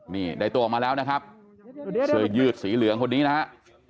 นี่ได้ตัวออกมาแล้วนะครับเสื้อยืดสีเหลืองคนนี้นะฮะ